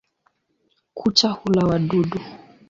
Kucha hula wadudu.